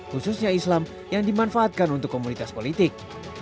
khususnya islam yang dimanfaatkan untuk komunitas politik